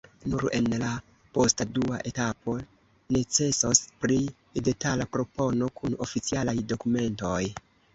Nur en la posta dua etapo necesos pli detala propono kun oficialaj dokumentoj.